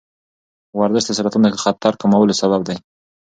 ورزش د سرطان د خطر کمولو سبب دی.